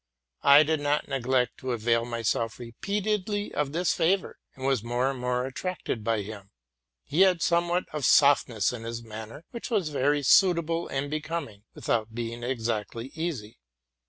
J did not neglect to avail myself repeatedly of this favor, and was more and more attracted by him. He had a certain gentleness in his manner, which was very suitable and becoming, without being exactly easy.